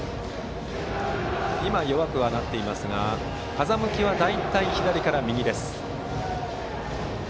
今、弱くはなっていますが風向きは大体左から右です。